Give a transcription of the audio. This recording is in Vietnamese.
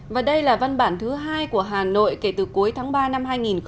và đây là văn bản thứ hai của hà nội kể từ cuối tháng ba năm hai nghìn hai mươi